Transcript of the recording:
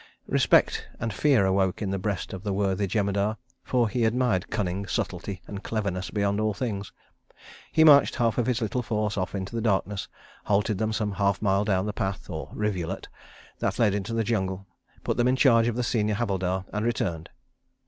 Respect and fear awoke in the breast of the worthy Jemadar, for he admired cunning, subtlety and cleverness beyond all things. ... He marched a half of his little force off into the darkness, halted them some half mile down the path (or rivulet) that led into the jungle, put them in charge of the senior Havildar and returned.